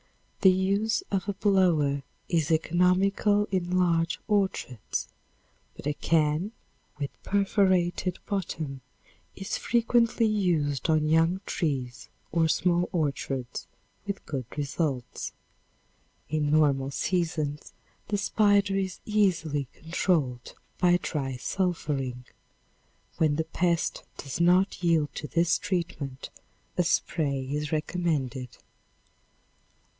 The use of a blower is economical in large orchards, but a can with perforated bottom is frequently used on young trees or small orchards with good results. In normal seasons the spider is easily, controlled by dry sulphuring. When the pest does not yield to this treatment, a spray is recommended.